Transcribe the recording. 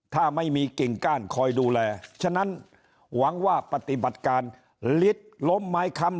ถ้าไม่มีกิ่งก้านคอยดูแลฉะนั้นหวังว่าปฏิบัติการลิตรล้มไม้ค้ำ